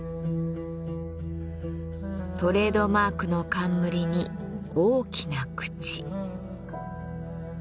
トレードマークの冠に大きな口。